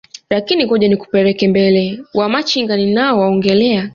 Lakin ngoja nikupeleke mbele Wamachinga ninao waongelea